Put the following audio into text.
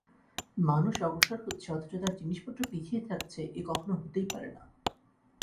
মানুষ অগ্রসর হচ্ছে অথচ তার জিনিসপত্র পিছিয়ে থাকছে, এ কখনো হতেই পারে না।